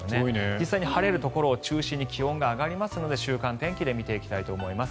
実際に晴れるところを中心に気温が上がりますので週間天気で見ていきたいと思います。